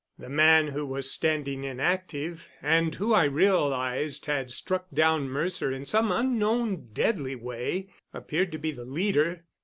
The man who was standing inactive, and who I realized had struck down Mercer in some unknown, deadly way, appeared to be the leader.